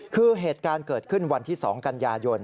คือเหตุการณ์เกิดขึ้นวันที่๒กันยายน